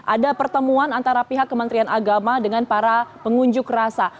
ada pertemuan antara pihak kementerian agama dengan para pengunjuk rasa